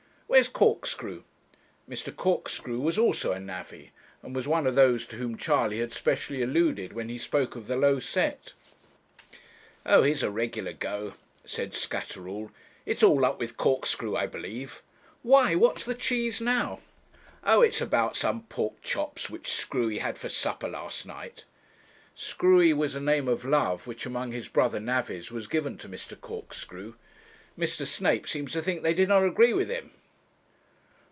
'Where's Corkscrew?' Mr. Corkscrew was also a navvy, and was one of those to whom Charley had specially alluded when he spoke of the low set. 'Oh, here's a regular go,' said Scatterall. 'It's all up with Corkscrew, I believe.' 'Why, what's the cheese now?' 'Oh! it's all about some pork chops, which Screwy had for supper last night.' Screwy was a name of love which among his brother navvies was given to Mr. Corkscrew. 'Mr. Snape seems to think they did not agree with him.'